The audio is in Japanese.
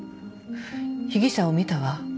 被疑者を見たわ。